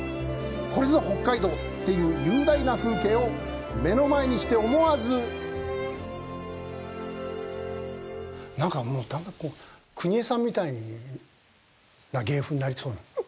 これぞ北海道！っていう雄大な風景を目の前にして、思わずなんかもう、だんだん邦衛さんみたいな芸風になりそうな。